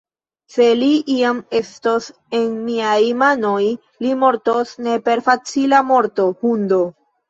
Se li iam estos en miaj manoj, li mortos ne per facila morto, hundo!